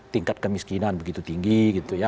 tingkat kemiskinan begitu tinggi gitu ya